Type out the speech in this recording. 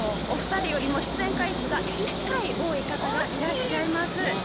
お二人よりも出演回数が１回多い方がいらっしゃいます。